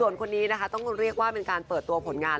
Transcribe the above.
ส่วนคนนี้นะคะต้องเรียกว่าเป็นการเปิดตัวผลงาน